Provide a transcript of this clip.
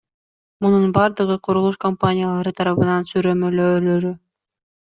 Мунун бардыгы курулуш компаниялары тарабынын сүрөмөлөөлөрү.